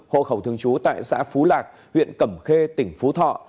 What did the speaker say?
hộ khẩu thường trú tại xã phú lạc huyện cẩm khê tỉnh phú thọ